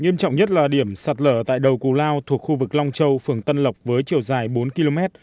nghiêm trọng nhất là điểm sạt lở tại đầu cù lao thuộc khu vực long châu phường tân lộc với chiều dài bốn km